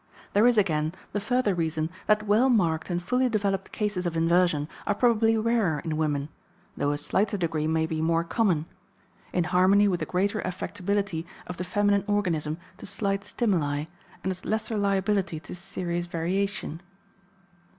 There is, again, the further reason that well marked and fully developed cases of inversion are probably rarer in women, though a slighter degree may be more common; in harmony with the greater affectability of the feminine organism to slight stimuli, and its lesser liability to serious variation.